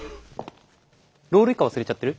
ロールイカ忘れちゃってる？